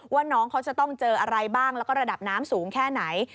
ว่าน้องเขาจะต้องเจออะไรบ้างแล้วก็ระดับน้ำสูงแค่ไหน